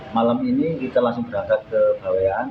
malam ini kita langsung berangkat ke bawean